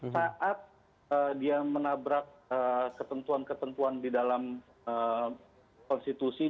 saat dia menabrak ketentuan ketentuan di dalam konstitusi